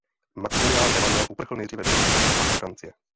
Maxmilián Emanuel uprchl nejdříve do Bruselu a pak do Francie.